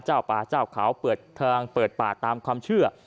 เจ้าป่าเจ้าเขาเปิดทางเปิดป่าตามความเชื่อ